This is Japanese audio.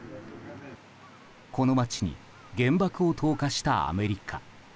この街に原爆を投下したアメリカ。